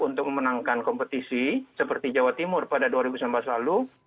untuk memenangkan kompetisi seperti jawa timur pada dua ribu sembilan belas lalu